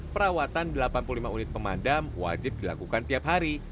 perawatan delapan puluh lima unit pemadam wajib dilakukan tiap hari